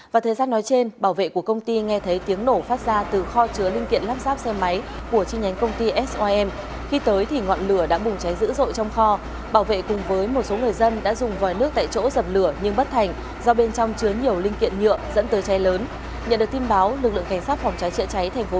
vào thời gian nói trên bảo vệ của công ty nghe thấy tiếng nổ phát ra từ kho chứa